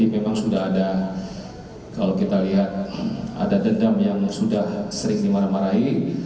memang sudah ada kalau kita lihat ada dendam yang sudah sering dimarah marahi